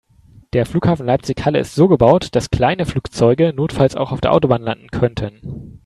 Der Flughafen Leipzig/Halle ist so gebaut, dass kleine Flugzeuge notfalls auch auf der Autobahn landen könnten.